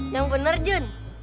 yang bener jun